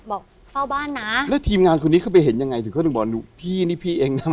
บอกเฝ้าบ้านนะแล้วทีมงานคนนี้เข้าไปเห็นยังไงถึงเขาถึงบอกพี่นี่พี่เองนะ